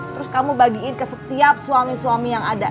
terus kamu bagiin ke setiap suami suami yang ada